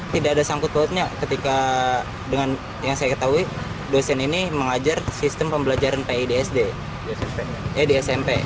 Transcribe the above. tidak ada sangkut pautnya ketika dengan yang saya ketahui dosen ini mengajar sistem pembelajaran pid sd